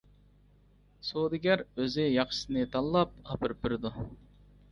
سودىگەر ئۆزى ياخشىسىنى تاللاپ ئاپىرىپ بېرىدۇ.